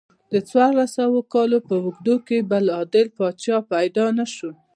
څوارلس سوو کالو په اوږدو کې بل عادل خلیفه پیدا نشو.